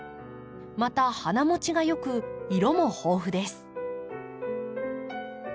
また花もちが良く色も豊富です。